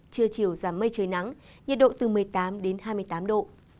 trưa chiều giảm mây trời nắng nhiệt độ từ một mươi tám đến hai mươi tám độ